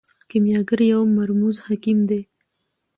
کیمیاګر یو مرموز حکیم دی.